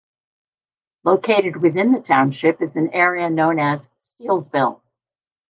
Located within the township is an area known as Steelesville.